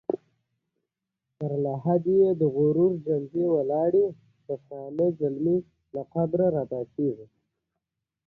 افغانستان د هوا په اړه علمي څېړنې لري.